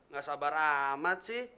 gak sabar amat sih